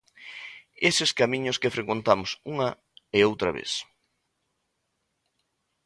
Eses camiños que frecuentamos unha e outra vez.